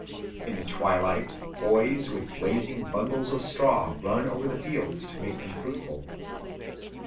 In the twilight boys with blazing bundles of straw run over the fields to make them fruitful.